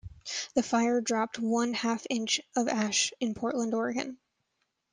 The fire dropped one-half inch of ash in Portland, Oregon.